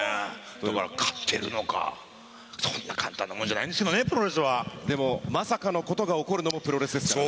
だから勝てるのか、そんな簡単なもんじゃないんですけどね、でも、まさかのことが起こるのもプロレスですからね。